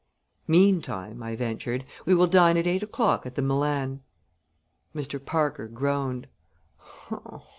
"Meantime," I ventured, "we will dine at eight o'clock at the Milan." Mr. Parker groaned.